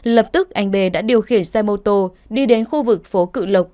lập tức anh b đã điều khiển xe mô tô đi đến khu vực phố cựu lộc